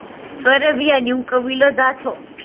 წვერებიანი უკბილო დათო